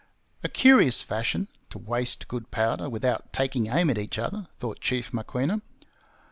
A curious fashion, to waste good powder without taking aim at each other, thought Chief Maquinna.